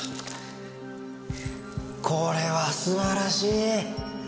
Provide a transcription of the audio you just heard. これは素晴らしい！